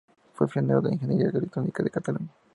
Fue pionero de la ingeniería electrónica en Cataluña.